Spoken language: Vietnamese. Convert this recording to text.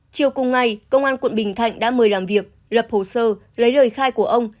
chiều cùng ngày công an quận bình thạnh đã mời làm việc lập hồ sơ lấy lời khai của ông